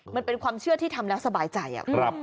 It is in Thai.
มันเป็นความเชื่อที่ทำแล้วสบายใจ